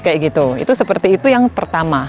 kayak gitu itu seperti itu yang pertama